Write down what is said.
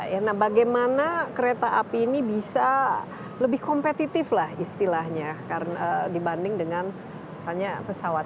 karena kereta api ini bisa lebih kompetitif lah istilahnya dibanding dengan pesawat